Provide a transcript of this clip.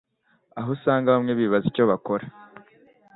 aho usanga bamwe bibaza icyo bakora